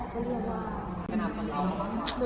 และเพื่อถ้ามากนักเตียงปาก